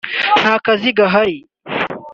nta kazi gahari